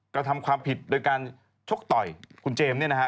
กระทำความผิดโดยการชกต่อยคุณเจมส์เนี่ยนะฮะ